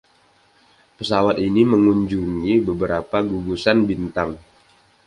Pesawat ini mengunjungi beberapa gugusan bintang.